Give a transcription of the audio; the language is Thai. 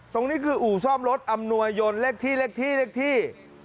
ตรงนี้คืออู่ซ่อมรถอำนวยยนเลขที่เลขที่เลขที่